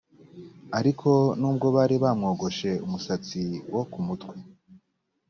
ariko nubwo bari bamwogoshe umusatsi wo ku mutwe